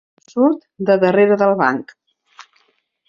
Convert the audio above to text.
Surt de darrera del banc.